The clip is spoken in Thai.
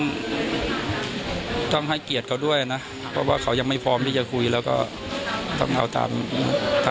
ต้องให้เกียรติเขาด้วยนะเพราะว่าเขายังไม่พร้อมที่จะคุยแล้วก็ต้องเอาตาม